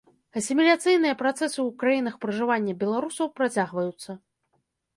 Асіміляцыйныя працэсы ў краінах пражывання беларусаў працягваюцца.